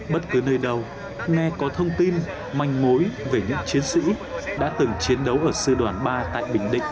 bất cứ nơi đâu nghe có thông tin manh mối về những chiến sĩ đã từng chiến đấu ở sư đoàn ba tại bình định năm một nghìn chín trăm sáu mươi tám